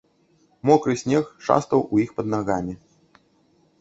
Мокры снег шастаў у іх пад нагамі.